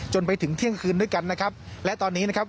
ไปถึงเที่ยงคืนด้วยกันนะครับและตอนนี้นะครับ